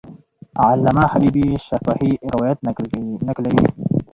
علامه حبیبي شفاهي روایت نقلوي.